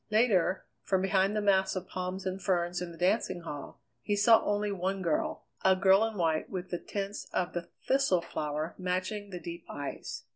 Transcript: Later, from behind the mass of palms and ferns in the dancing hall, he saw only one girl a girl in white with the tints of the thistle flower matching the deep eyes.